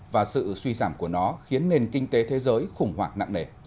và sự suy giảm của nó khiến nền kinh tế thế giới khủng hoảng nặng nề